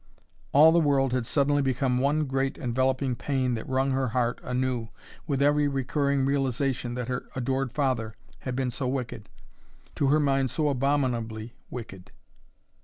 All the world had suddenly become one great, enveloping pain that wrung her heart anew with every recurring realization that her adored father had been so wicked to her mind so abominably wicked.